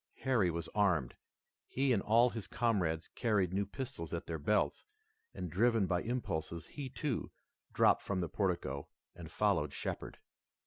Harry was armed. He and all his comrades carried new pistols at their belts, and driven by impulse he, too, dropped from the portico and followed Shepard.